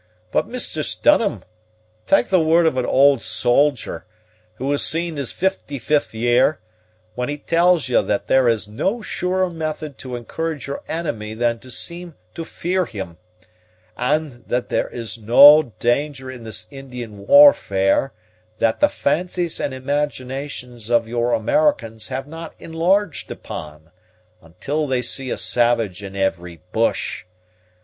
But, Mistress Dunham, tak' the word of an old soldier, who has seen his fifty fifth year, when he talls ye that there is no surer method to encourage your enemy than to seem to fear him; and that there is no danger in this Indian warfare that the fancies and imaginations of your Americans have not enlarged upon, until they see a savage in every bush.